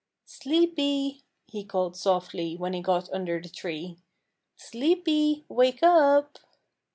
"Sleepy," he called softly when he got under the tree. "Sleepy, wake up!"